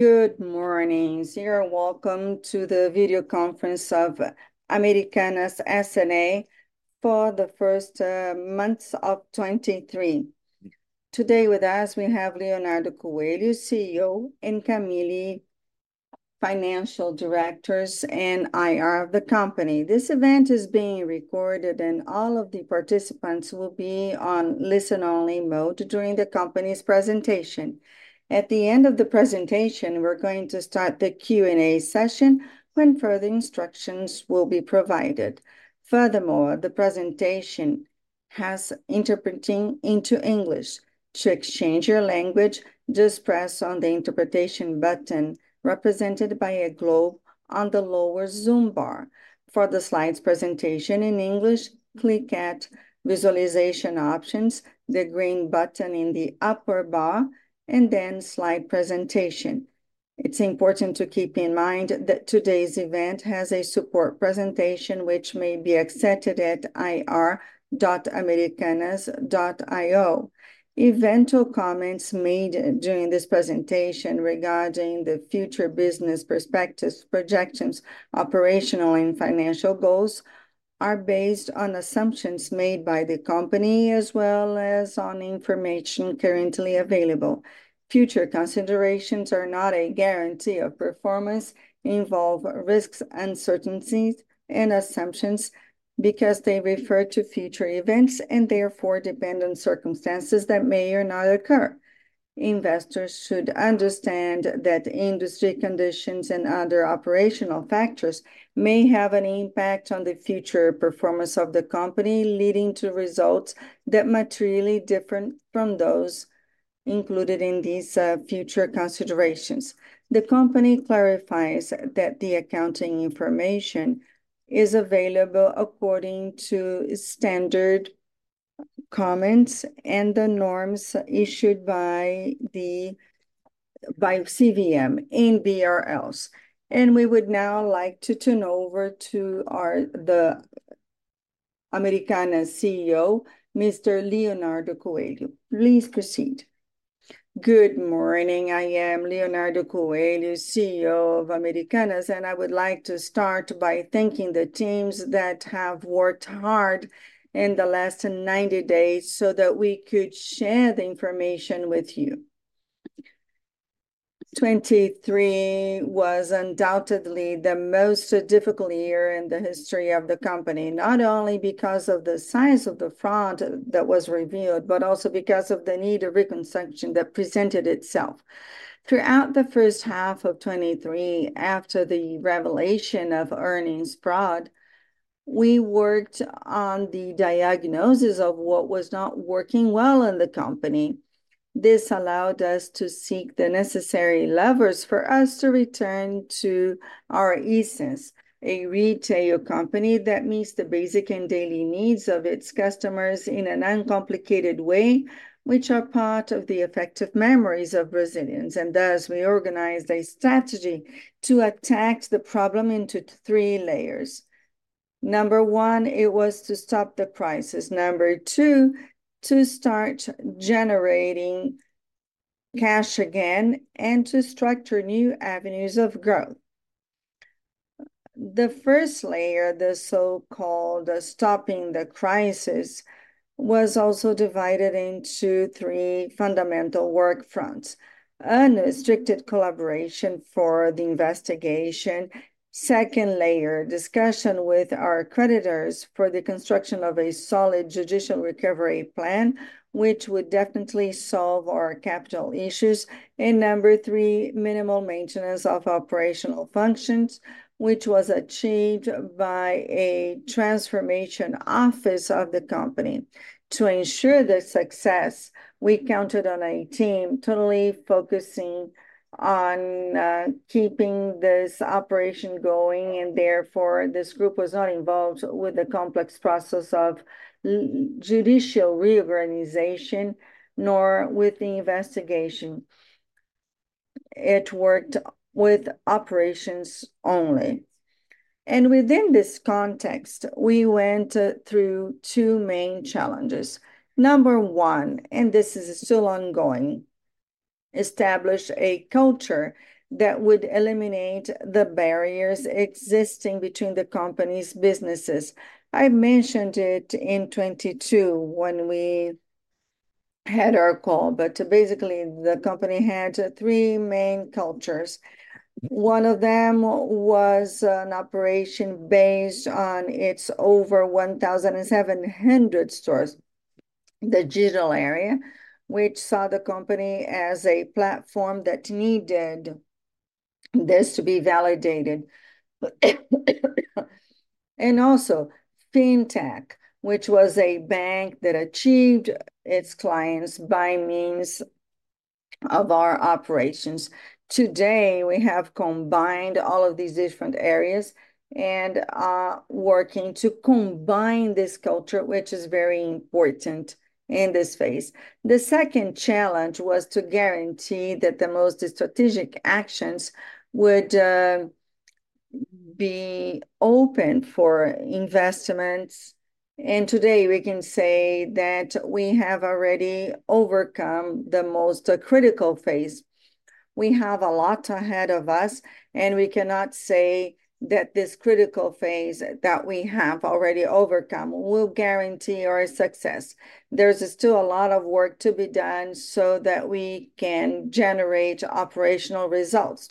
Good morning, sir. Welcome to the video conference of Americanas S.A. for the first months of 2023. Today with us, we have Leonardo Coelho, CEO, and Camille, Financial Director and IR of the company. This event is being recorded, and all of the participants will be on listen-only mode during the company's presentation. At the end of the presentation, we're going to start the Q&A session, when further instructions will be provided. Furthermore, the presentation has interpreting into English. To exchange your language, just press on the Interpretation button, represented by a globe on the lower Zoom bar. For the slides presentation in English, click at Visualization Options, the green button in the upper bar, and then Slide Presentation. It's important to keep in mind that today's event has a support presentation, which may be accessed at ir.americanas.io. Eventual comments made during this presentation regarding the future business perspectives, projections, operational and financial goals, are based on assumptions made by the company, as well as on information currently available. Future considerations are not a guarantee of performance, involve risks, uncertainties, and assumptions, because they refer to future events, and therefore, depend on circumstances that may or not occur. Investors should understand that industry conditions and other operational factors may have an impact on the future performance of the company, leading to results that materially different from those included in these future considerations. The company clarifies that the accounting information is available according to standard comments and the norms issued by CVM and BRLs. We would now like to turn over to the Americanas CEO, Mr. Leonardo Coelho. Please proceed. Good morning, I am Leonardo Coelho, CEO of Americanas, and I would like to start by thanking the teams that have worked hard in the last 90 days so that we could share the information with you. 2023 was undoubtedly the most difficult year in the history of the company, not only because of the size of the fraud that was revealed, but also because of the need of reconstruction that presented itself. Throughout the first half of 2023, after the revelation of earnings fraud, we worked on the diagnosis of what was not working well in the company. This allowed us to seek the necessary levers for us to return to our essence: a retail company that meets the basic and daily needs of its customers in an uncomplicated way, which are part of the effective memories of Brazilians. Thus, we organized a strategy to attack the problem into three layers. Number one, it was to stop the crisis. Number two, to start generating cash again and to structure new avenues of growth. The first layer, the so-called Stopping the Crisis, was also divided into three fundamental work fronts: unrestricted collaboration for the investigation. Second layer, discussion with our creditors for the construction of a solid judicial recovery plan, which would definitely solve our capital issues. And number three, minimal maintenance of operational functions, which was achieved by a transformation office of the company. To ensure the success, we counted on a team totally focusing on keeping this operation going, and therefore, this group was not involved with the complex process of judicial reorganization, nor with the investigation. It worked with operations only. Within this context, we went through two main challenges. Number one, and this is still ongoing: establish a culture that would eliminate the barriers existing between the company's businesses. I mentioned it in 2022 when we had our call, but basically, the company had three main cultures. One of them was an operation based on its over 1,700 stores. The digital area, which saw the company as a platform that needed this to be validated. And also, Fintech, which was a bank that achieved its clients by means of our operations. Today, we have combined all of these different areas and are working to combine this culture, which is very important in this phase. The second challenge was to guarantee that the most strategic actions would be open for investments, and today we can say that we have already overcome the most critical phase. We have a lot ahead of us, and we cannot say that this critical phase that we have already overcome will guarantee our success. There's still a lot of work to be done so that we can generate operational results.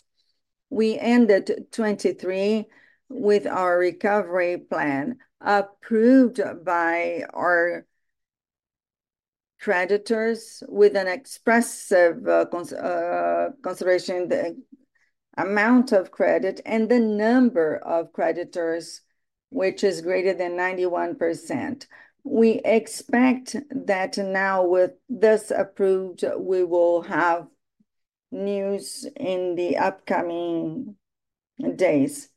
We ended 2023 with our recovery plan, approved by our creditors with an expressive consideration, the amount of credit, and the number of creditors, which is greater than 91%. We expect that now, with this approved, we will have news in the upcoming days.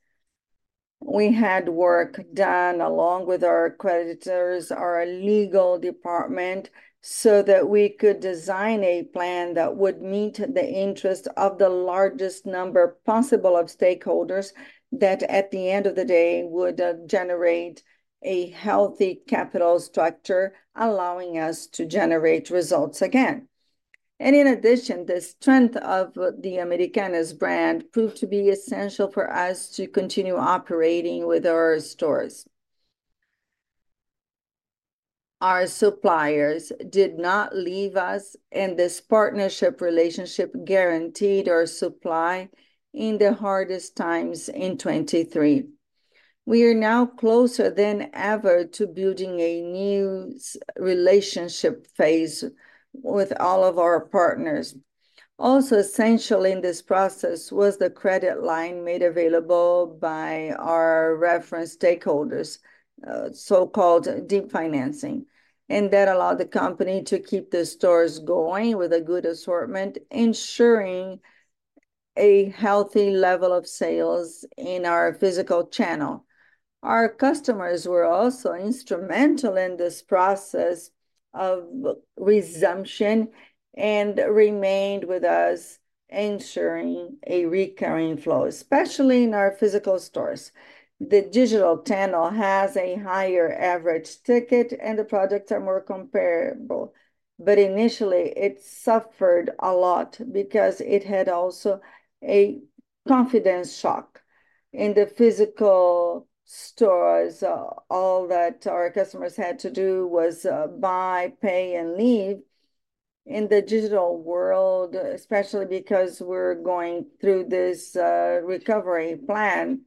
We had work done, along with our creditors, our legal department, so that we could design a plan that would meet the interest of the largest number possible of stakeholders, that, at the end of the day, would generate a healthy capital structure, allowing us to generate results again. In addition, the strength of the Americanas brand proved to be essential for us to continue operating with our stores. Our suppliers did not leave us, and this partnership relationship guaranteed our supply in the hardest times in 2023. We are now closer than ever to building a new relationship phase with all of our partners. Also essential in this process was the credit line made available by our reference stakeholders, so-called DIP financing, and that allowed the company to keep the stores going with a good assortment, ensuring a healthy level of sales in our physical channel. Our customers were also instrumental in this process of resumption, and remained with us, ensuring a recurring flow, especially in our physical stores. The digital channel has a higher average ticket, and the products are more comparable. But initially, it suffered a lot, because it had also a confidence shock. In the physical stores, all that our customers had to do was, buy, pay, and leave. In the digital world, especially because we're going through this, recovery plan,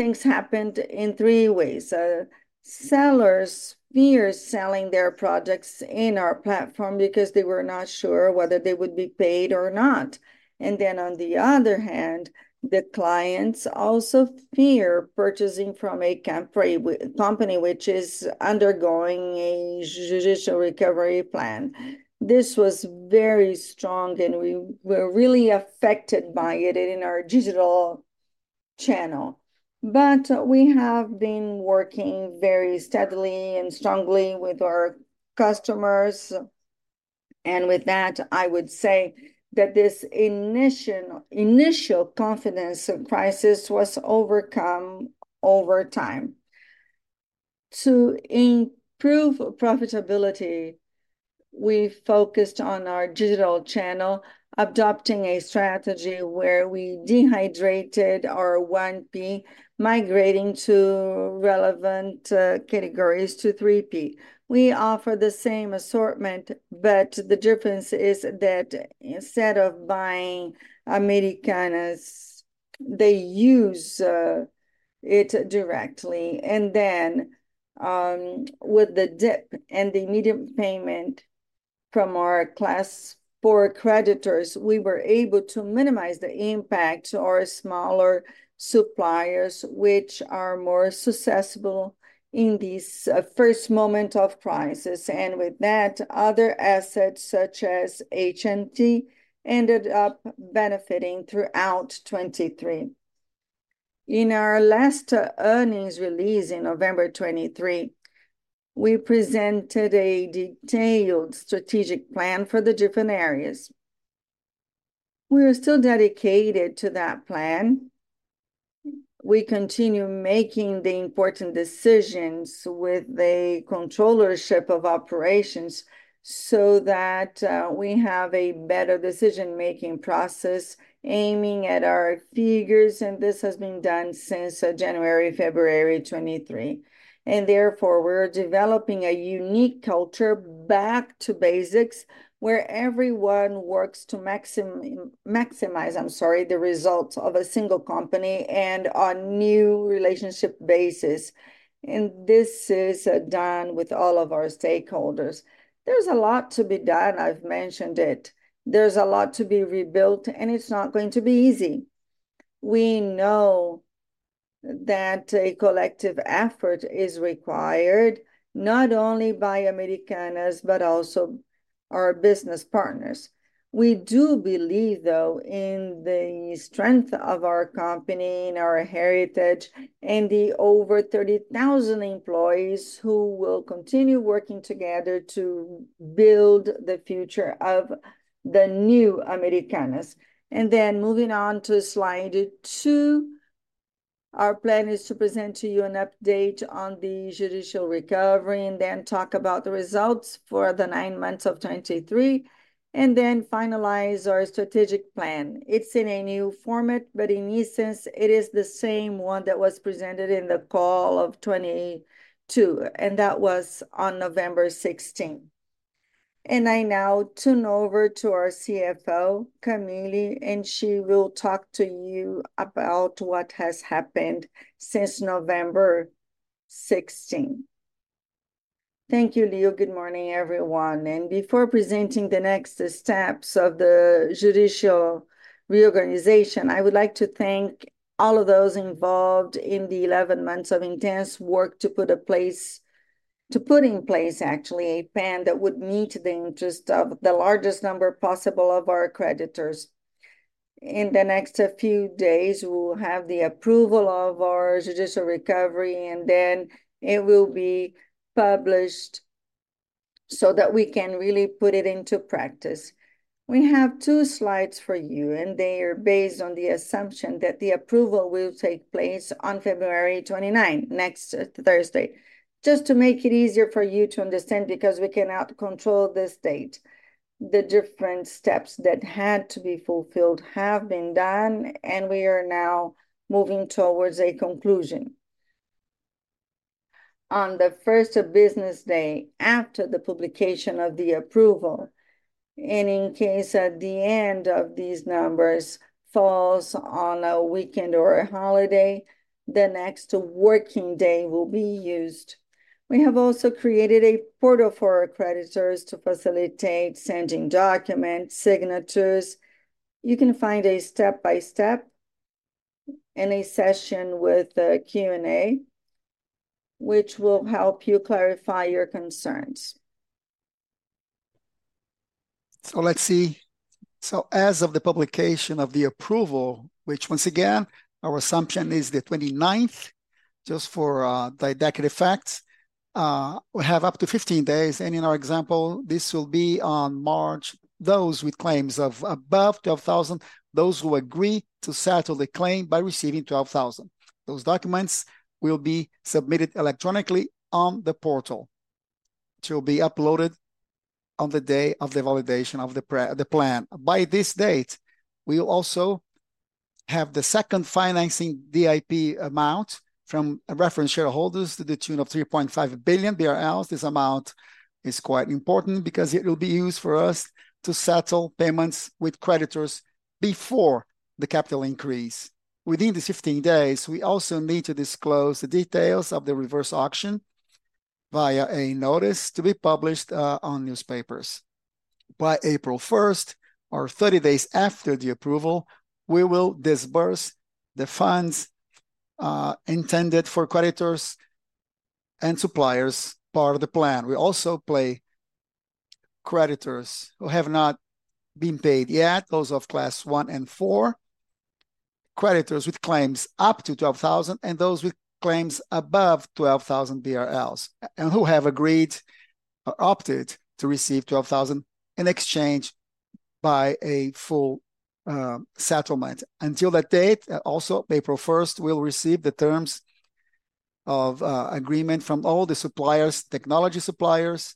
things happened in three ways. Sellers feared selling their products in our platform, because they were not sure whether they would be paid or not. And then, on the other hand, the clients also feared purchasing from a company which is undergoing a judicial recovery plan. This was very strong, and we were really affected by it in our digital channel. But we have been working very steadily and strongly with our customers, and with that, I would say that this initial, initial confidence crisis was overcome over time. To improve profitability, we focused on our digital channel, adopting a strategy where we dehydrated our 1P, migrating to relevant categories to 3P. We offer the same assortment, but the difference is that instead of buying Americanas, they use it directly. And then, with the DIP and the immediate payment from our Class 4 creditors, we were able to minimize the impact to our smaller suppliers, which are more successful in these first moment of crisis. And with that, other assets, such as HNT, ended up benefiting throughout 2023. In our last earnings release in November 2023, we presented a detailed strategic plan for the different areas. We are still dedicated to that plan. We continue making the important decisions with a controllership of operations so that, we have a better decision-making process aiming at our figures, and this has been done since, January, February 2023. Therefore, we're developing a unique culture, back to basics, where everyone works to maximize, I'm sorry, the results of a single company, and a new relationship basis, and this is done with all of our stakeholders. There's a lot to be done, I've mentioned it. There's a lot to be rebuilt, and it's not going to be easy. We know that a collective effort is required, not only by Americanas, but also our business partners. We do believe, though, in the strength of our company, and our heritage, and the over 30,000 employees who will continue working together to build the future of the new Americanas. Then moving on to Slide two. Our plan is to present to you an update on the judicial recovery, and then talk about the results for the nine months of 2023, and then finalize our strategic plan. It's in a new format, but in essence, it is the same one that was presented in the call of 2022, and that was on November 16. And I now turn over to our CFO, Camille, and she will talk to you about what has happened since November 16. Thank you, Leo. Good morning, everyone. Before presenting the next steps of the judicial reorganization, I would like to thank all of those involved in the 11 months of intense work to put in place, actually, a plan that would meet the interest of the largest number possible of our creditors. In the next few days, we will have the approval of our judicial recovery, and then it will be published so that we can really put it into practice. We have two slides for you, and they are based on the assumption that the approval will take place on February 29, next Thursday. Just to make it easier for you to understand, because we cannot control this date, the different steps that had to be fulfilled have been done, and we are now moving towards a conclusion. On the first business day after the publication of the approval, and in case at the end of these numbers falls on a weekend or a holiday, the next working day will be used. We have also created a portal for our creditors to facilitate sending documents, signatures. You can find a step-by-step in a session with a Q&A, which will help you clarify your concerns. So let's see. So as of the publication of the approval, which once again, our assumption is the 29th, just for didactic effects, we have up to 15 days, and in our example, this will be on March. Those with claims of above 12,000, those who agree to settle the claim by receiving 12,000. Those documents will be submitted electronically on the portal, to be uploaded on the day of the validation of the plan. By this date, we'll also have the second financing DIP amount from reference shareholders to the tune of 3.5 billion BRL. This amount is quite important because it will be used for us to settle payments with creditors before the capital increase. Within the 15 days, we also need to disclose the details of the reverse auction via a notice to be published on newspapers. By April 1st, or 30 days after the approval, we will disburse the funds intended for creditors and suppliers, part of the plan. We also pay creditors who have not been paid yet, those of Class 1 and 4, creditors with claims up to 12,000 BRL, and those with claims above 12,000 BRL, and who have agreed or opted to receive 12,000 BRL in exchange by a full settlement. Until that date, also April 1st, we'll receive the terms of agreement from all the suppliers, technology suppliers,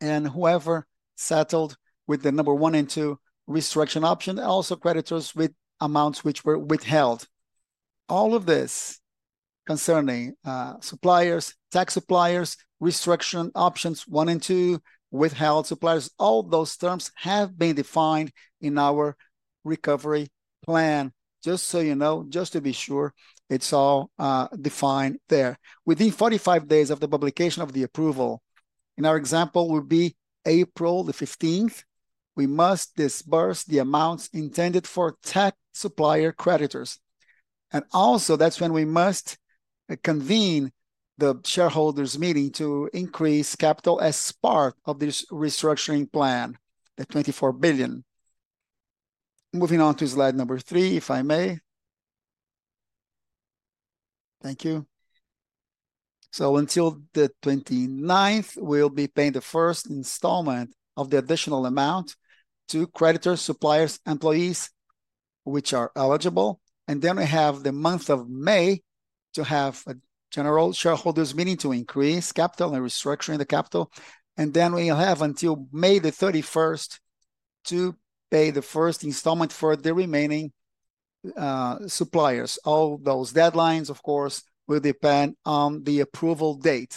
and whoever settled with the number One and Two Restructuring Option, and also creditors with amounts which were withheld. All of this concerning suppliers, tech suppliers, restructuring Options One and Two, withheld suppliers, all those terms have been defined in our recovery plan. Just so you know, just to be sure, it's all defined there. Within 45 days of the publication of the approval, in our example, will be April 15th, we must disburse the amounts intended for tech supplier creditors. And also, that's when we must convene the shareholders' meeting to increase capital as part of this restructuring plan, the 24 billion. Moving on to slide number three, if I may. Thank you. So until the 29th, we'll be paying the first installment of the additional amount to creditors, suppliers, employees, which are eligible. And then we have the month of May to have a general shareholders' meeting to increase capital and restructuring the capital, and then we'll have until May 31st to pay the first installment for the remaining suppliers. All those deadlines, of course, will depend on the approval date.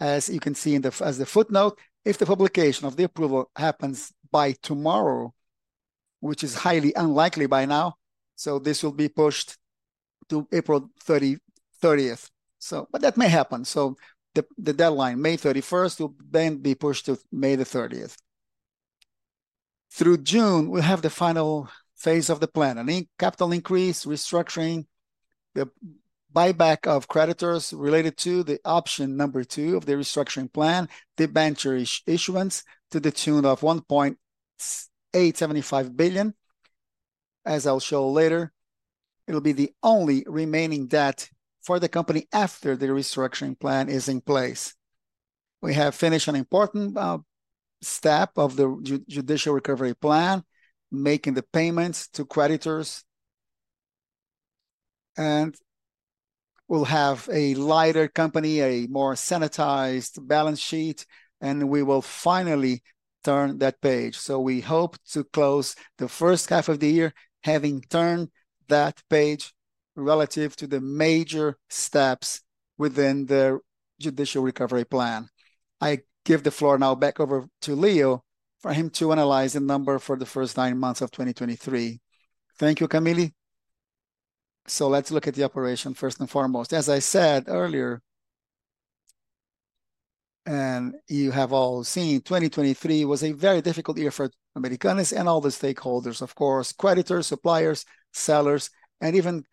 As you can see in the... As the footnote, if the publication of the approval happens by tomorrow, which is highly unlikely by now, so this will be pushed to April 30th, so... But that may happen, so the, the deadline, May 31st, will then be pushed to May 30th. Through June, we'll have the final phase of the plan, a new capital increase, restructuring, the buyback of creditors related to the option number two of the restructuring plan, debenture issuance to the tune of 1.875 billion, as I'll show later. It'll be the only remaining debt for the company after the restructuring plan is in place. We have finished an important step of the judicial recovery plan, making the payments to creditors, and we'll have a lighter company, a more sanitized balance sheet, and we will finally turn that page. So we hope to close the first half of the year, having turned that page relative to the major steps within the judicial recovery plan. I give the floor now back over to Leo for him to analyze the number for the first nine months of 2023. Thank you, Camille. So let's look at the operation first and foremost. As I said earlier, and you have all seen, 2023 was a very difficult year for Americanas and all the stakeholders, of course, creditors, suppliers, sellers, and even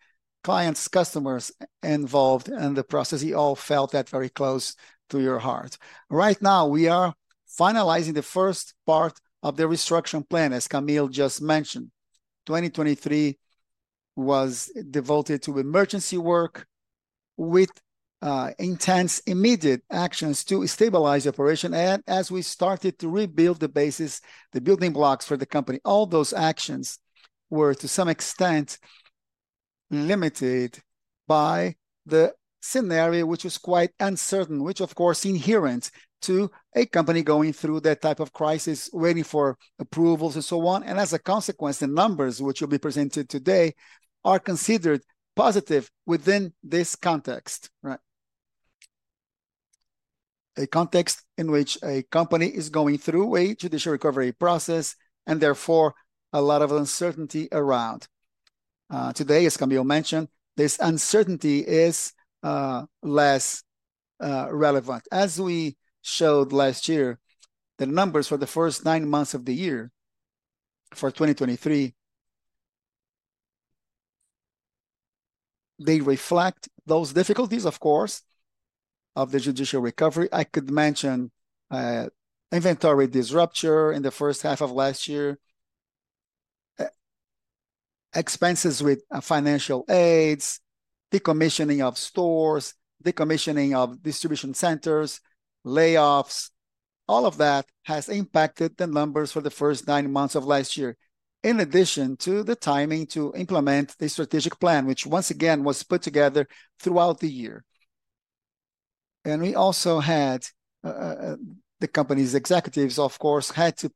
clients, customers involved in the process. You all felt that very close to your heart. Right now, we are finalizing the first part of the restoration plan, as Camille just mentioned. 2023 was devoted to emergency work with intense, immediate actions to stabilize the operation. As we started to rebuild the basis, the building blocks for the company, all those actions were, to some extent, limited by the scenario, which was quite uncertain, which, of course, inherent to a company going through that type of crisis, waiting for approvals and so on. And as a consequence, the numbers which will be presented today are considered positive within this context, right? A context in which a company is going through a judicial recovery process, and therefore, a lot of uncertainty around. Today, as Camille mentioned, this uncertainty is less relevant. As we showed last year, the numbers for the first nine months of the year for 2023, they reflect those difficulties, of course, of the judicial recovery. I could mention, inventory disruption in the first half of last year, expenses with financial audits, decommissioning of stores, decommissioning of distribution centers, layoffs. All of that has impacted the numbers for the first nine months of last year, in addition to the timing to implement the strategic plan, which once again, was put together throughout the year. And we also had the company's executives, of course, had to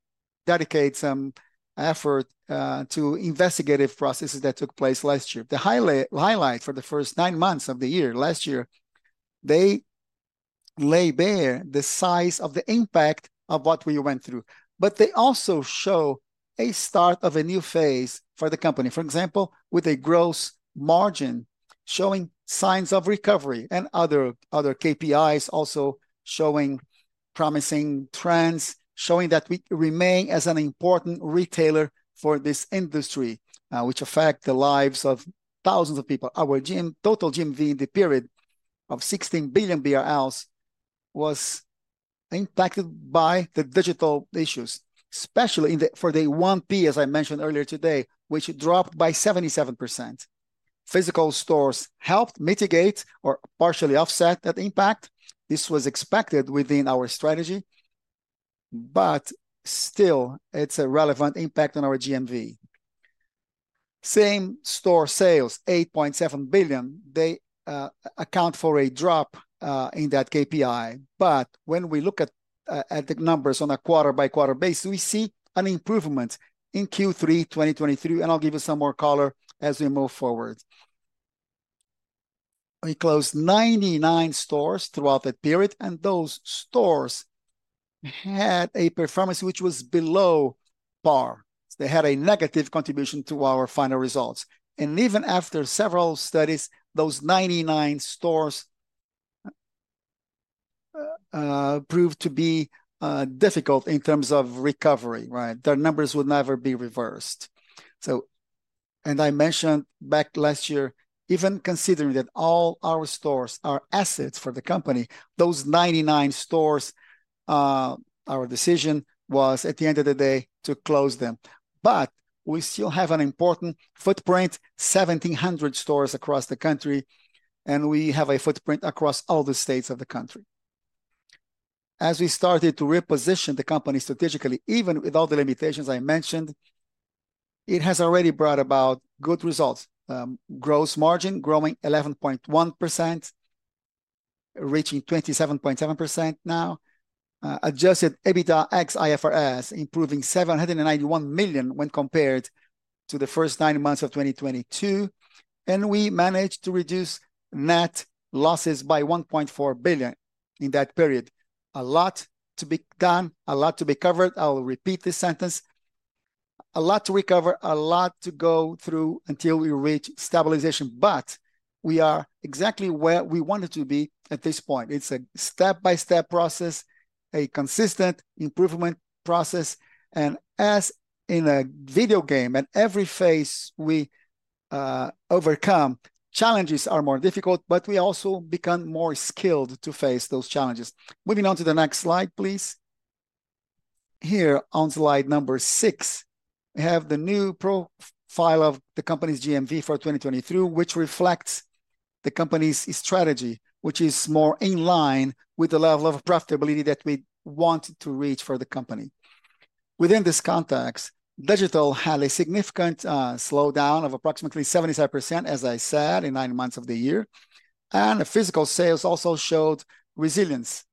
dedicate some effort to investigative processes that took place last year. The highlight for the first nine months of the year, last year, they lay bare the size of the impact of what we went through, but they also show a start of a new phase for the company. For example, with a gross margin showing signs of recovery and other, other KPIs also showing promising trends, showing that we remain as an important retailer for this industry, which affect the lives of 1,000s of people. Our total GMV in the period of 16 billion BRL was impacted by the digital issues, especially in the, for the 1P, as I mentioned earlier today, which dropped by 77%. Physical stores helped mitigate or partially offset that impact. This was expected within our strategy, but still, it's a relevant impact on our GMV. Same store sales, 8.7 billion, they account for a drop in that KPI. But when we look at the numbers on a quarter-by-quarter basis, we see an improvement in Q3 2023, and I'll give you some more color as we move forward. We closed 99 stores throughout the period, and those stores had a performance which was below par. They had a negative contribution to our final results, and even after several studies, those 99 stores proved to be difficult in terms of recovery, right? Their numbers would never be reversed. So, I mentioned back last year, even considering that all our stores are assets for the company, those 99 stores, our decision was, at the end of the day, to close them. But we still have an important footprint, 1,700 stores across the country, and we have a footprint across all the states of the country. As we started to reposition the company strategically, even with all the limitations I mentioned, it has already brought about good results. Gross margin growing 11.1%, reaching 27.7% now. Adjusted EBITDA ex IFRS, improving 791 million when compared to the first nine months of 2022, and we managed to reduce net losses by 1.4 billion in that period. A lot to be done, a lot to be covered. I will repeat this sentence, a lot to recover, a lot to go through until we reach stabilization, but we are exactly where we wanted to be at this point. It's a step-by-step process, a consistent improvement process, and as in a video game, at every phase we overcome, challenges are more difficult, but we also become more skilled to face those challenges. Moving on to the next slide, please... here on slide number six, we have the new profile of the company's GMV for 2023, which reflects the company's strategy, which is more in line with the level of profitability that we want to reach for the company. Within this context, digital had a significant slowdown of approximately 75%, as I said, in nine months of the year, and physical sales also showed resilience,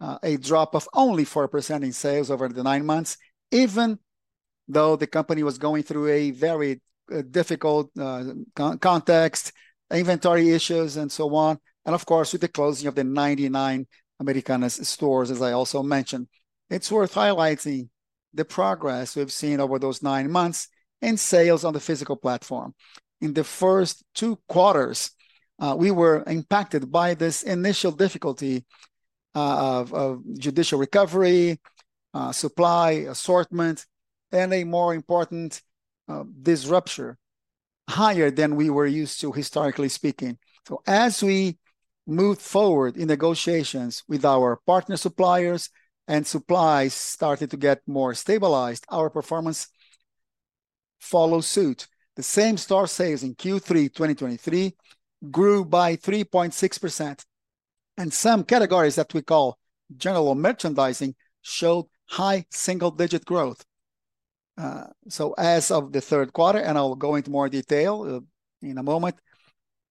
a drop of only 4% in sales over the nine months, even though the company was going through a very difficult context, inventory issues, and so on. And of course, with the closing of the 99 Americanas stores, as I also mentioned. It's worth highlighting the progress we've seen over those nine months in sales on the physical platform. In the first two quarters, we were impacted by this initial difficulty of judicial recovery, supply assortment, and a more important disruption higher than we were used to, historically speaking. So as we moved forward in negotiations with our partner suppliers and supplies started to get more stabilized, our performance followed suit. The Same Store Sales in Q3 2023 grew by 3.6%, and some categories that we call general merchandising showed high single-digit growth. So as of the third quarter, and I'll go into more detail, in a moment...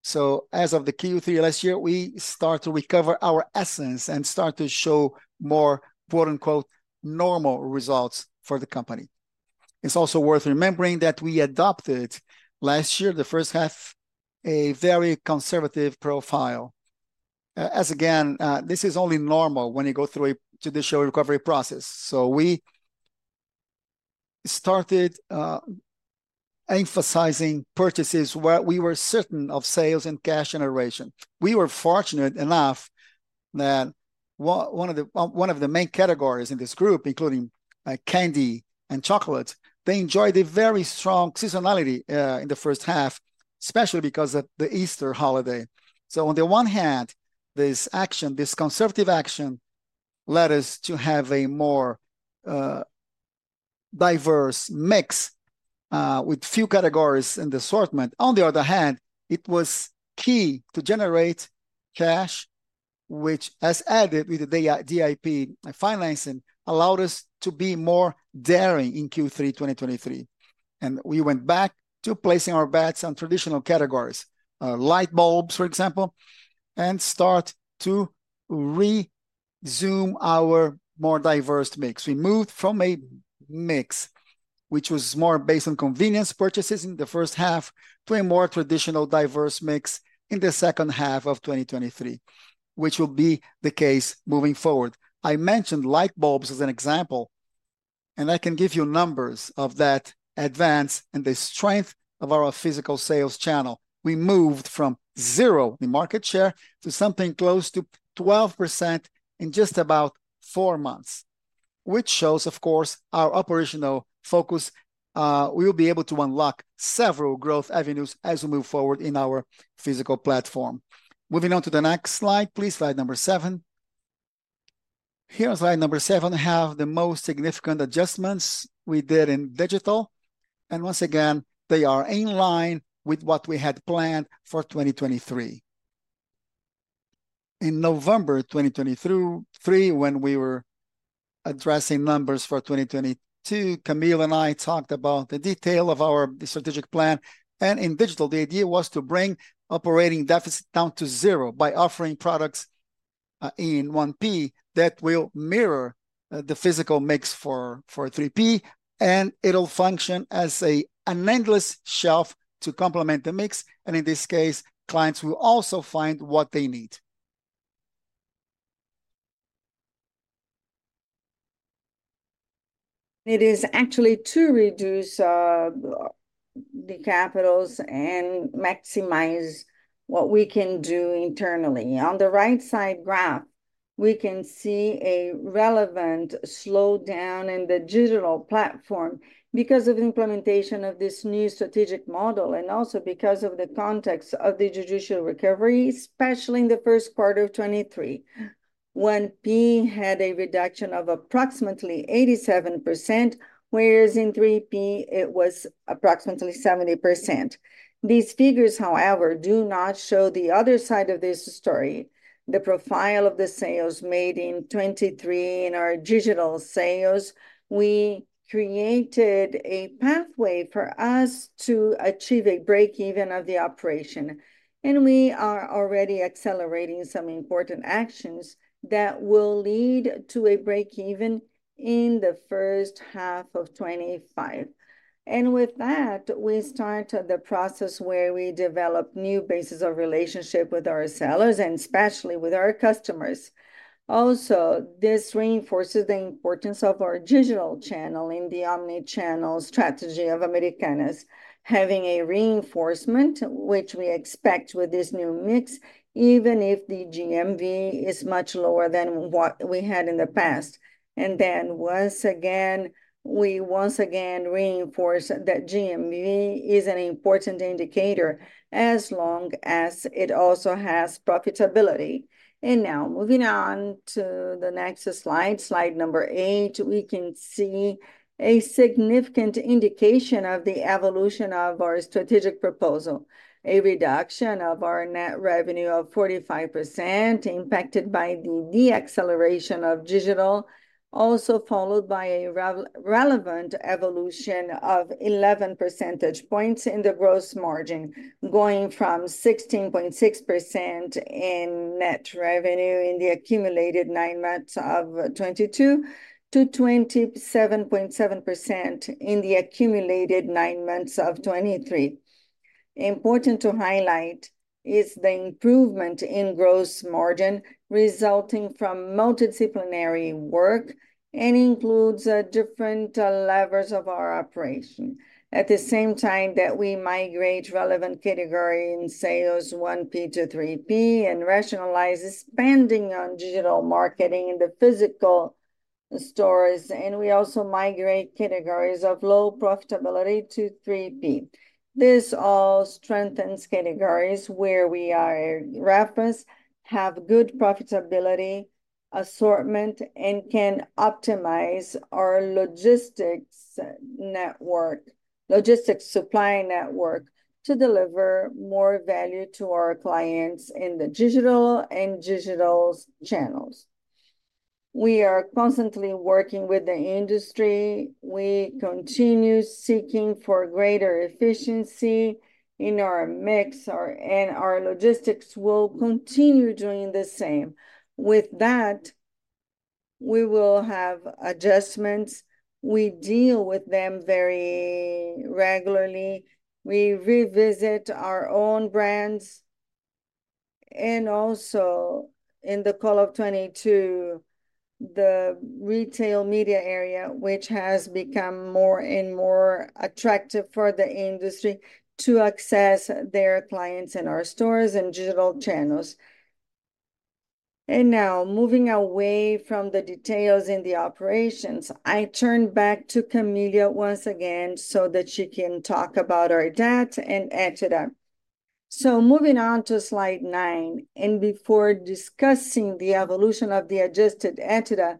So as of the Q3 last year, we start to recover our essence and start to show more, quote, unquote, "normal results" for the company. It's also worth remembering that we adopted last year, the first half, a very conservative profile. As again, this is only normal when you go through a judicial recovery process. So we started emphasizing purchases where we were certain of sales and cash generation. We were fortunate enough that one of the main categories in this group, including candy and chocolate, enjoyed a very strong seasonality in the first half, especially because of the Easter holiday. So on the one hand, this action, this conservative action, led us to have a more diverse mix with few categories in the assortment. On the other hand, it was key to generate cash, which has added with the DIP financing, allowed us to be more daring in Q3 2023, and we went back to placing our bets on traditional categories, light bulbs, for example, and start to resume our more diverse mix. We moved from a mix which was more based on convenience purchases in the first half, to a more traditional, diverse mix in the second half of 2023, which will be the case moving forward. I mentioned light bulbs as an example, and I can give you numbers of that advance and the strength of our physical sales channel. We moved from zero in market share to something close to 12% in just about four months, which shows, of course, our operational focus. We will be able to unlock several growth avenues as we move forward in our physical platform. Moving on to the next slide, please, slide number seven. Here on slide number seven, I have the most significant adjustments we did in digital, and once again, they are in line with what we had planned for 2023. In November 2023, when we were addressing numbers for 2022, Camille and I talked about the detail of our strategic plan. And in digital, the idea was to bring operating deficit down to zero by offering products in 1P that will mirror the physical mix for 3P, and it'll function as an endless shelf to complement the mix, and in this case, clients will also find what they need. It is actually to reduce the capitals and maximize what we can do internally. On the right side graph, we can see a relevant slowdown in the digital platform because of implementation of this new strategic model, and also because of the context of the judicial recovery, especially in the first quarter of 2023, when 1P had a reduction of approximately 87%, whereas in 3P it was approximately 70%. These figures, however, do not show the other side of this story. The profile of the sales made in 2023 in our digital sales, we created a pathway for us to achieve a break-even of the operation, and we are already accelerating some important actions that will lead to a break-even in the first half of 2025. And with that, we start the process where we develop new bases of relationship with our sellers and especially with our customers. Also, this reinforces the importance of our digital channel in the omni-channel strategy of Americanas, having a reinforcement which we expect with this new mix, even if the GMV is much lower than what we had in the past. And then, once again, we once again reinforce that GMV is an important indicator, as long as it also has profitability. And now, moving on to the next slide, slide number eight, we can see a significant indication of the evolution of our strategic proposal, a reduction of our net revenue of 45%, impacted by the deceleration of digital, also followed by a relevant evolution of 11 percentage points in the gross margin, going from 16.6% in net revenue in the accumulated nine months of 2022 to 27.7% in the accumulated nine months of 2023. Important to highlight is the improvement in gross margin resulting from multidisciplinary work, and includes, different, levels of our operation. At the same time that we migrate relevant category in sales 1P to 3P and rationalize spending on digital marketing in the physical stores, and we also migrate categories of low profitability to 3P. This all strengthens categories where we are reference, have good profitability, assortment, and can optimize our logistics network, logistics supply network to deliver more value to our clients in the digital and digitals channels. We are constantly working with the industry. We continue seeking for greater efficiency in our mix, our... and our logistics will continue doing the same. With that, we will have adjustments. We deal with them very regularly. We revisit our own brands, and also, in the call of 2022, the retail media area, which has become more and more attractive for the industry to access their clients in our stores and digital channels. Now, moving away from the details in the operations, I turn back to Camille once again so that she can talk about our debt and EBITDA. Moving on to slide nine, and before discussing the evolution of the adjusted EBITDA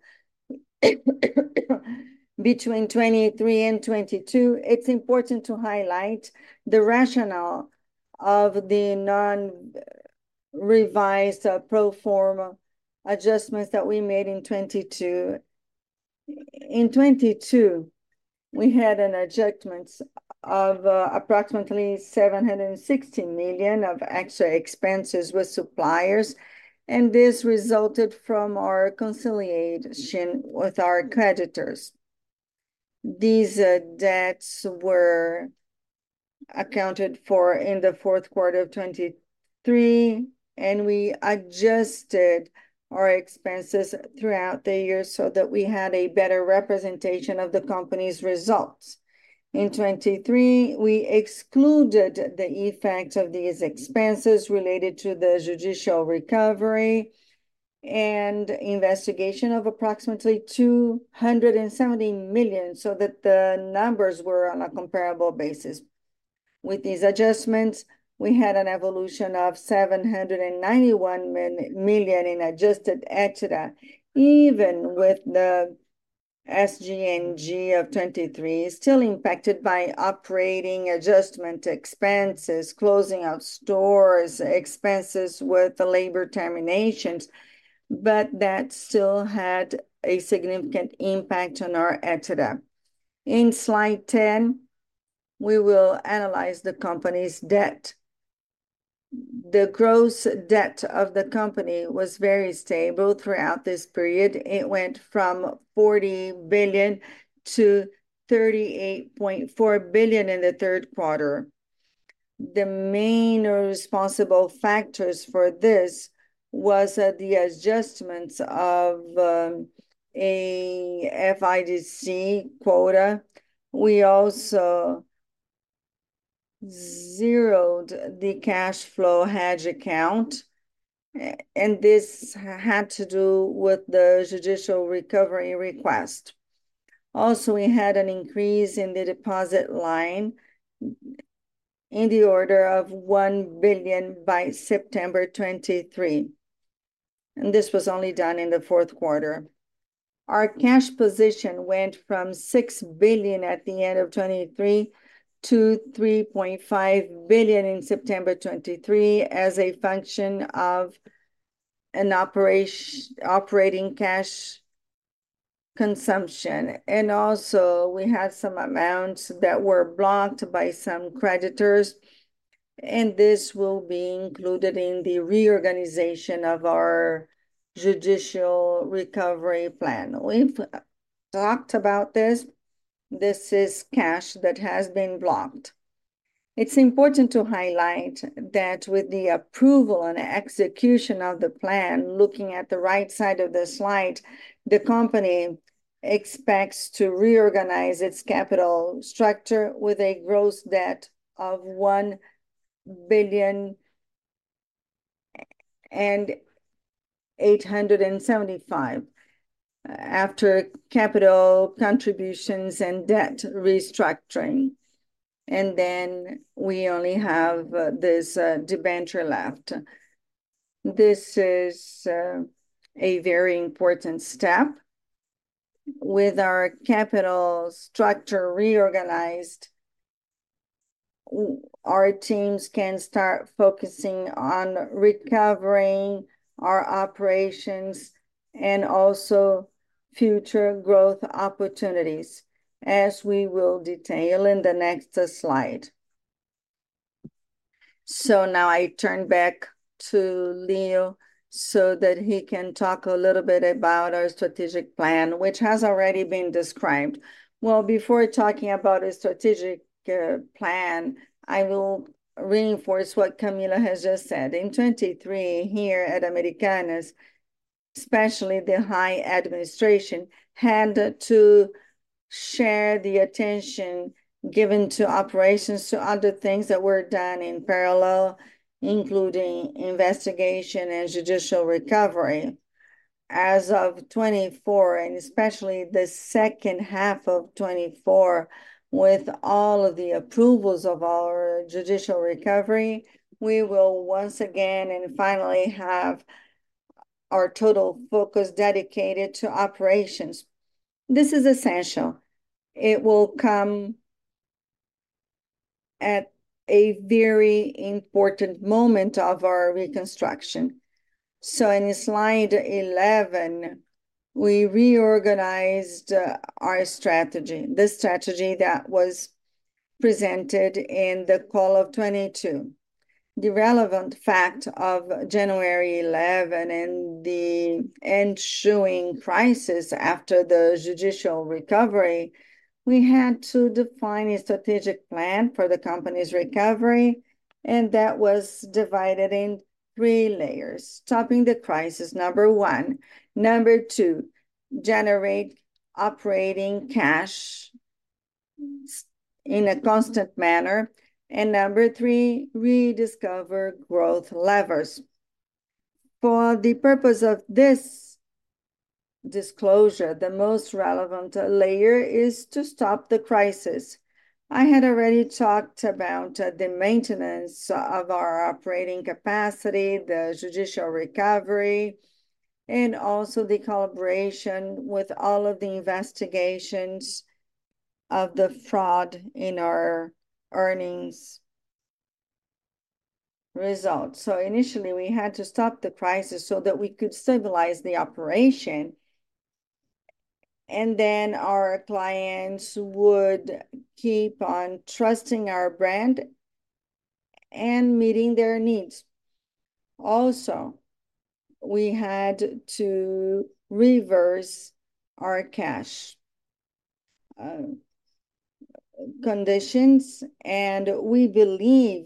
between 2023 and 2022, it's important to highlight the rationale of the non-revised pro forma adjustments that we made in 2022. In 2022, we had an adjustments of approximately $760 million of extra expenses with suppliers, and this resulted from our consolidation with our creditors. These debts were accounted for in the fourth quarter of 2023, and we adjusted our expenses throughout the year so that we had a better representation of the company's results. In 2023, we excluded the effect of these expenses related to the judicial recovery and investigation of approximately $270 million, so that the numbers were on a comparable basis. With these adjustments, we had an evolution of $791 million in adjusted EBITDA, even with the SG&A of 2023 still impacted by operating adjustment expenses, closing out stores, expenses with the labor terminations, but that still had a significant impact on our EBITDA. In slide 10, we will analyze the company's debt. The gross debt of the company was very stable throughout this period. It went from $40 billion to $38.4 billion in the third quarter. The main responsible factors for this was the adjustments of a FIDC quota. We also zeroed the cash flow hedge account, and this had to do with the judicial recovery request. Also, we had an increase in the deposit line in the order of $1 billion by September 2023, and this was only done in the fourth quarter. Our cash position went from $6 billion at the end of 2023 to $3.5 billion in September 2023, as a function of an operating cash consumption. And also, we had some amounts that were blocked by some creditors, and this will be included in the reorganization of our judicial recovery plan. We've talked about this. This is cash that has been blocked. It's important to highlight that with the approval and execution of the plan, looking at the right side of the slide, the company expects to reorganize its capital structure with a gross debt of $1.875 billion, after capital contributions and debt restructuring. And then, we only have this debenture left. This is a very important step. With our capital structure reorganized, our teams can start focusing on recovering our operations, and also future growth opportunities, as we will detail in the next slide. So now I turn back to Leo so that he can talk a little bit about our strategic plan, which has already been described. Well, before talking about a strategic plan, I will reinforce what Camille has just said. In 2023, here at Americanas, especially the high administration, had to share the attention given to operations, to other things that were done in parallel, including investigation and judicial recovery. As of 2024, and especially the second half of 2024, with all of the approvals of our judicial recovery, we will once again and finally have our total focus dedicated to operations. This is essential. It will come at a very important moment of our reconstruction. So in slide 11, we reorganized our strategy, the strategy that was presented in the call of 2022. The relevant fact of January 11 and the ensuing crisis after the judicial recovery, we had to define a strategic plan for the company's recovery, and that was divided in three layers: stopping the crisis, number one; number two, generate operating cash in a constant manner; and number three, rediscover growth levers. For the purpose of this disclosure, the most relevant layer is to stop the crisis. I had already talked about, the maintenance of our operating capacity, the judicial recovery, and also the collaboration with all of the investigations of the fraud in our earnings results. So initially, we had to stop the crisis so that we could stabilize the operation, and then our clients would keep on trusting our brand and meeting their needs. Also, we had to reverse our cash, conditions, and we believe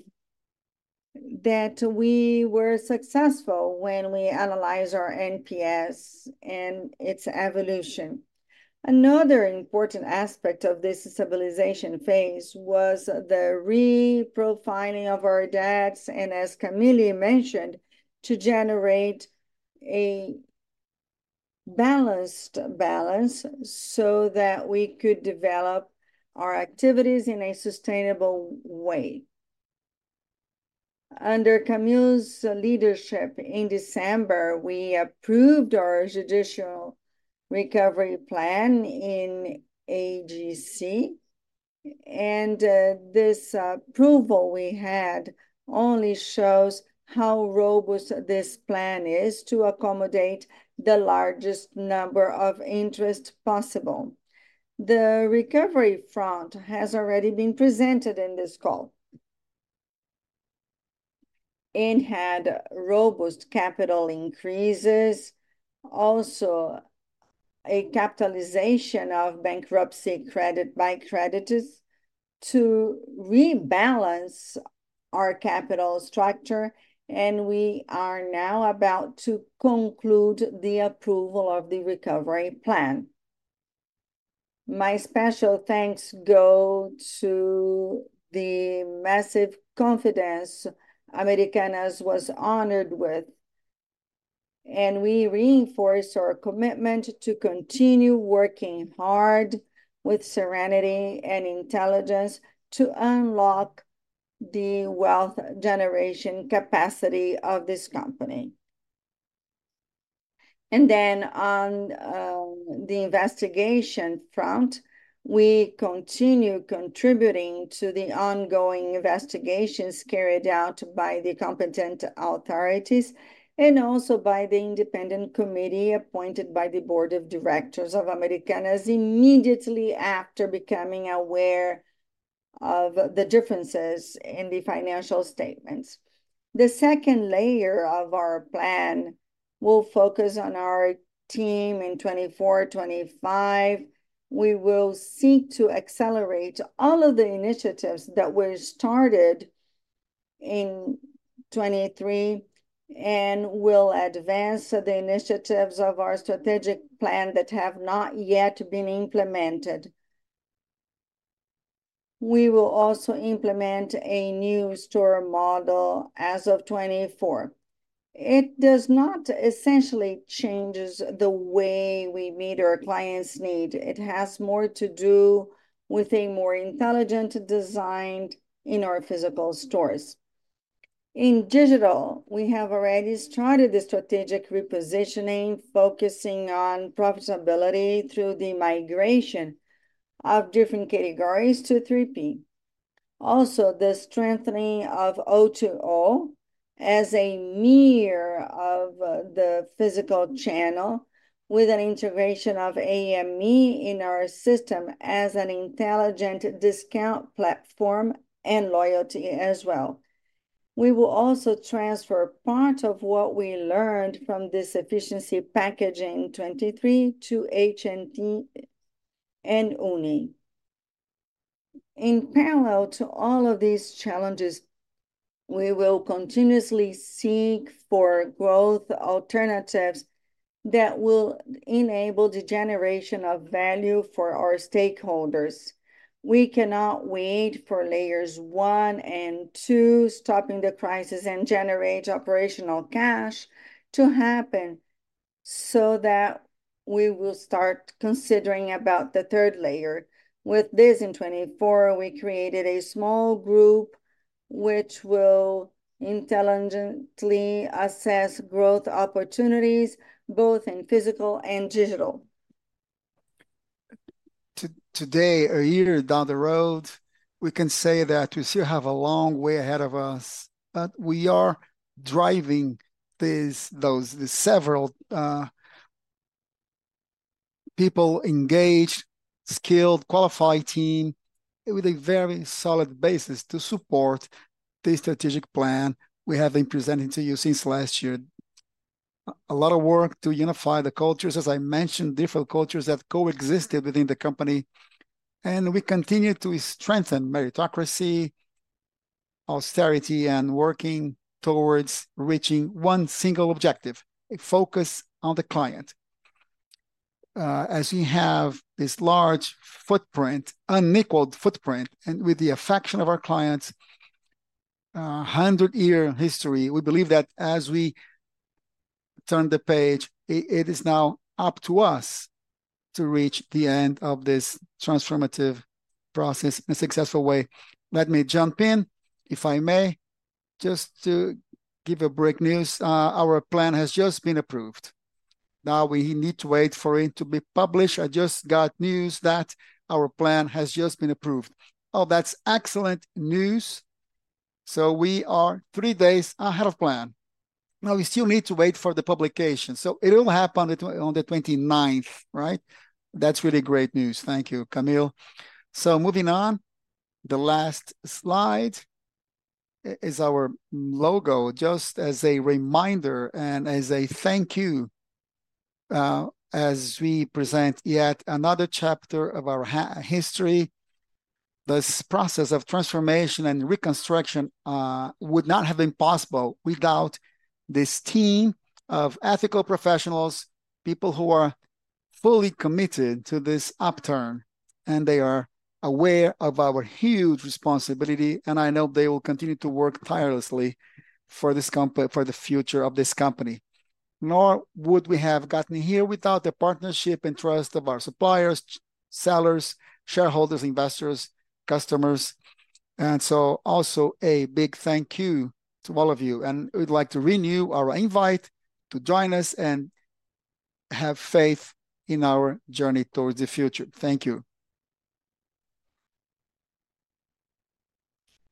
that we were successful when we analyze our NPS and its evolution. Another important aspect of this stabilization phase was the reprofiling of our debts, and as Camille mentioned, to generate a balanced balance so that we could develop our activities in a sustainable way. Under Camille's leadership in December, we approved our judicial recovery plan in AGC, and this approval we had only shows how robust this plan is to accommodate the largest number of interests possible. The recovery front has already been presented in this call. It had robust capital increases, also a capitalization of bankruptcy credit by creditors to rebalance our capital structure, and we are now about to conclude the approval of the recovery plan. My special thanks go to the massive confidence Americanas was honored with, and we reinforce our commitment to continue working hard with serenity and intelligence to unlock the wealth generation capacity of this company. On the investigation front, we continue contributing to the ongoing investigations carried out by the competent authorities, and also by the independent committee appointed by the Board of Directors of Americanas, immediately after becoming aware of the differences in the financial statements. The second layer of our plan will focus on our team in 2024, 2025. We will seek to accelerate all of the initiatives that were started in 2023, and we'll advance the initiatives of our strategic plan that have not yet been implemented. We will also implement a new store model as of 2024. It does not essentially changes the way we meet our clients' need. It has more to do with a more intelligent design in our physical stores. In digital, we have already started the strategic repositioning, focusing on profitability through the migration of different categories to 3P. Also, the strengthening of O2O as the physical channel with an integration of AME in our system as an intelligent discount platform and loyalty as well. We will also transfer part of what we learned from this efficiency packaging 2023 to HND and Uni. In parallel to all of these challenges, we will continuously seek for growth alternatives that will enable the generation of value for our stakeholders. We cannot wait for layers one and two, stopping the crisis and generate operational cash, to happen so that we will start considering about the third layer. With this, in 2024, we created a small group which will intelligently assess growth opportunities, both in physical and digital. Today, a year down the road, we can say that we still have a long way ahead of us, but we are driving this, those several people engaged, skilled, qualified team with a very solid basis to support the strategic plan we have been presenting to you since last year. A lot of work to unify the cultures, as I mentioned, different cultures have coexisted within the company, and we continue to strengthen meritocracy, austerity, and working towards reaching one single objective: a focus on the client. As we have this large footprint, unequaled footprint, and with the affection of our clients, a 100-year history, we believe that as we turn the page, it, it is now up to us to reach the end of this transformative process in a successful way. Let me jump in, if I may, just to give a breaking news. Our plan has just been approved. Now we need to wait for it to be published. I just got news that our plan has just been approved. Oh, that's excellent news. So we are three days ahead of plan. Now, we still need to wait for the publication, so it'll happen on the 29th, right? That's really great news. Thank you, Camille. So moving on, the last slide is our logo, just as a reminder and as a thank you, as we present yet another chapter of our history. This process of transformation and reconstruction would not have been possible without this team of ethical professionals, people who are fully committed to this upturn, and they are aware of our huge responsibility, and I know they will continue to work tirelessly for the future of this company. Nor would we have gotten here without the partnership and trust of our suppliers, sellers, shareholders, investors, customers, and so also a big thank you to all of you. We'd like to renew our invite to join us and have faith in our journey towards the future. Thank you.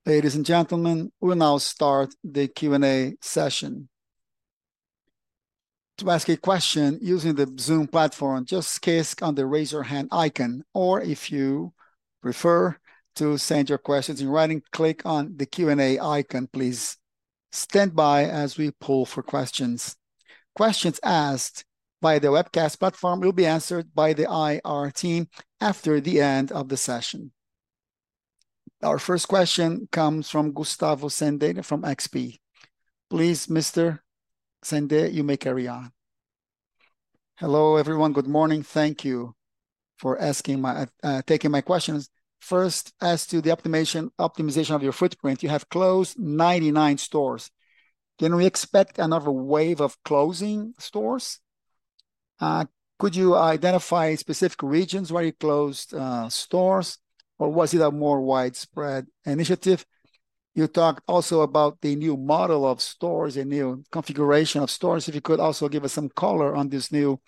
Ladies and gentlemen, we'll now start the Q&A session. To ask a question using the Zoom platform, just click on the Raise Your Hand icon, or if you prefer to send your questions in writing, click on the Q&A icon. Please stand by as we poll for questions. Questions asked via the webcast platform will be answered by the IR team after the end of the session. Our first question comes from Gustavo Senday from XP. Please, Mr. Senday, you may carry on. Hello, everyone. Good morning. Thank you for taking my questions. First, as to the optimization, optimization of your footprint, you have closed 99 stores. Can we expect another wave of closing stores? Could you identify specific regions where you closed stores, or was it a more widespread initiative? You talked also about the new model of stores, a new configuration of stores. If you could also give us some color on this new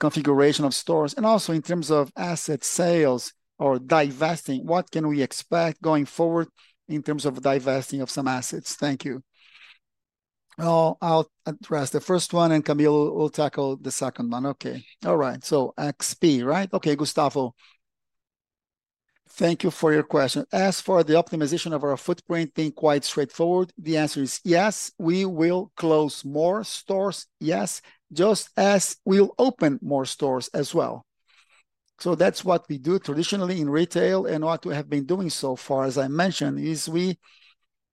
configuration of stores, and also in terms of asset sales or divesting, what can we expect going forward in terms of divesting of some assets? Thank you. Well, I'll address the first one, and Camille will tackle the second one. Okay. All right, so XP, right? Okay, Gustavo, thank you for your question. As for the optimization of our footprint, being quite straightforward, the answer is yes, we will close more stores. Yes, just as we'll open more stores as well. So that's what we do traditionally in retail, and what we have been doing so far, as I mentioned, is we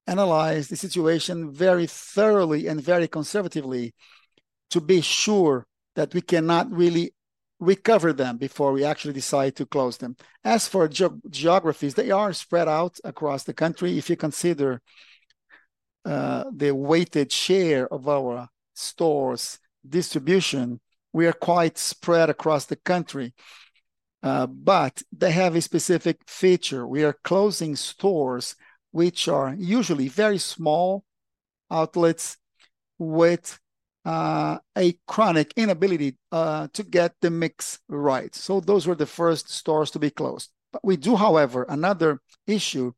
analyze the situation very thoroughly and very conservatively to be sure that we cannot really recover them before we actually decide to close them. As for geographies, they are spread out across the country. If you consider the weighted share of our stores' distribution, we are quite spread across the country. But they have a specific feature. We are closing stores which are usually very small outlets with a chronic inability to get the mix right. So those were the first stores to be closed. But we do, however, another issue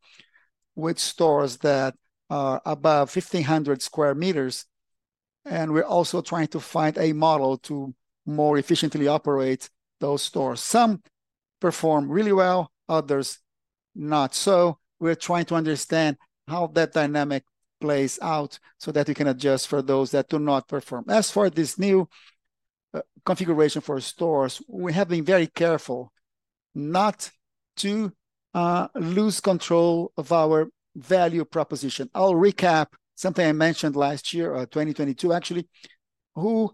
with stores that are above 1,500 square meters, and we're also trying to find a model to more efficiently operate those stores. Some perform really well, others not so. We're trying to understand how that dynamic plays out so that we can adjust for those that do not perform. As for this new configuration for stores, we have been very careful not to lose control of our value proposition. I'll recap something I mentioned last year, or 2022 actually, who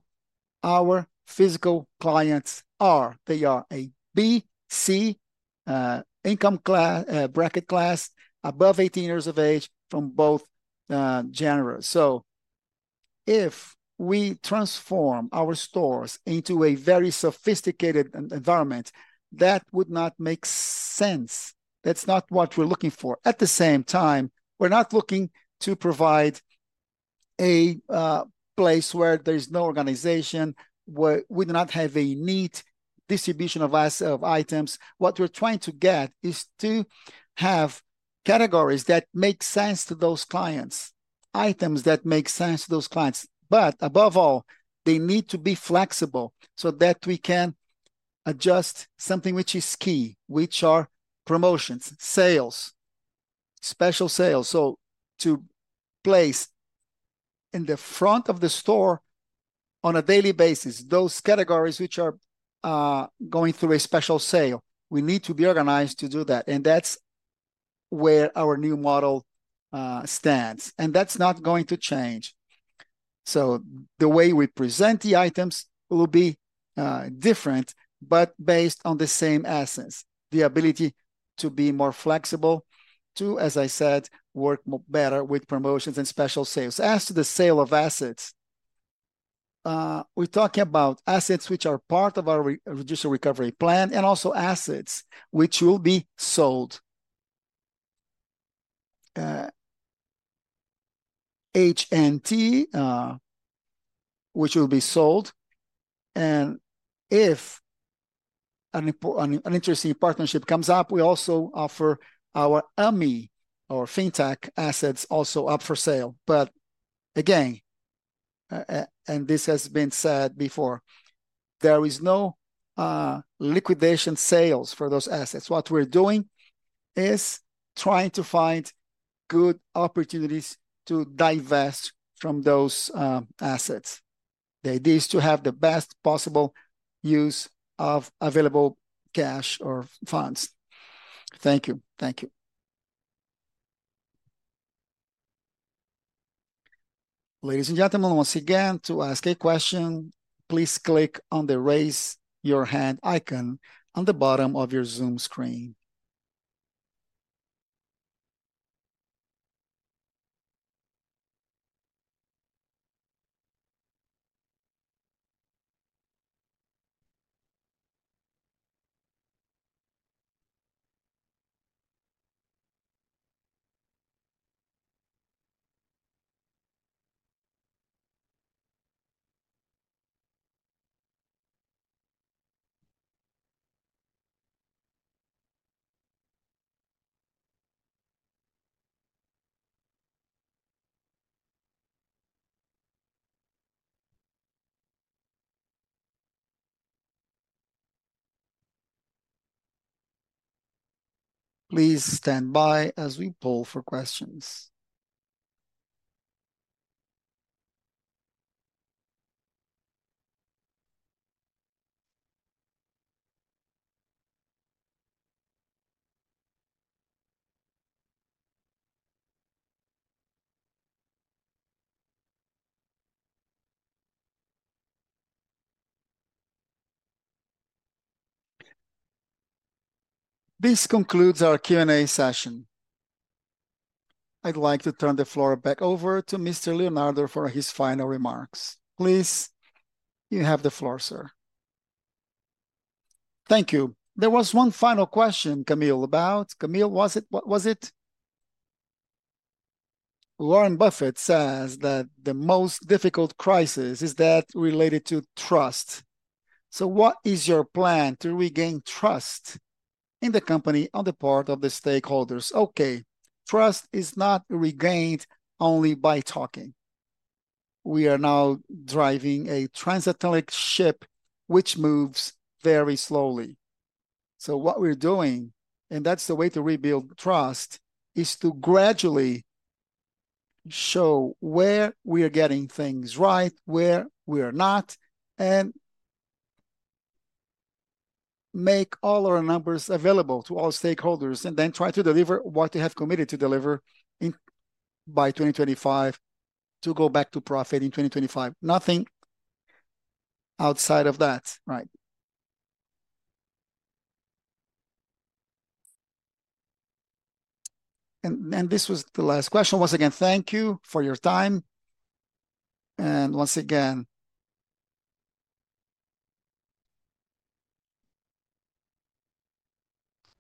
our physical clients are. They are a B, C, income bracket class above 18 years of age from both genders. So if we transform our stores into a very sophisticated environment, that would not make sense. That's not what we're looking for. At the same time, we're not looking to provide a place where there's no organization, where we do not have a neat distribution of items. What we're trying to get is to have categories that make sense to those clients, items that make sense to those clients. But above all, they need to be flexible so that we can adjust something which is key, which are promotions, sales, special sales. So to place in the front of the store on a daily basis those categories which are going through a special sale, we need to be organized to do that, and that's where our new model stands, and that's not going to change. So the way we present the items will be different, but based on the same essence, the ability to be more flexible to, as I said, work better with promotions and special sales. As to the sale of assets, we're talking about assets which are part of our Reduction Recovery Plan, and also assets which will be sold. HNT, which will be sold, and if an interesting partnership comes up, we also offer our Ame or Fintech assets also up for sale. But again, and this has been said before, there is no liquidation sales for those assets. What we're doing is trying to find good opportunities to divest from those assets. The idea is to have the best possible use of available cash or funds. Thank you. Thank you. Ladies and gentlemen, once again, to ask a question, please click on the Raise Your Hand icon on the bottom of your Zoom screen. Please stand by as we poll for questions. This concludes our Q&A session. I'd like to turn the floor back over to Mr. Leonardo for his final remarks. Please, you have the floor, sir. Thank you. There was one final question, Camille, about... Camille, was it, what was it? "Warren Buffett says that the most difficult crisis is that related to trust, so what is your plan to regain trust in the company on the part of the stakeholders?" Okay, trust is not regained only by talking. We are now driving a transatlantic ship which moves very slowly. So what we're doing, and that's the way to rebuild trust, is to gradually show where we are getting things right, where we are not, and make all our numbers available to all stakeholders, and then try to deliver what we have committed to deliver in- by 2025, to go back to profit in 2025. Nothing outside of that, right? And, and this was the last question. Once again, thank you for your time. Once again,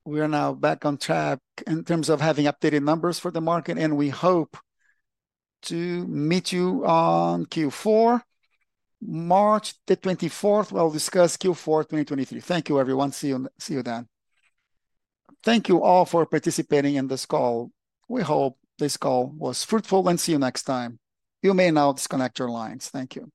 we are now back on track in terms of having updated numbers for the market, and we hope to meet you on Q4, March the 24th. We'll discuss Q4 2023. Thank you, everyone. See you, see you then. Thank you all for participating in this call. We hope this call was fruitful, and see you next time. You may now disconnect your lines. Thank you.